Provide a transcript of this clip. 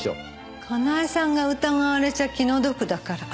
かなえさんが疑われちゃ気の毒だから。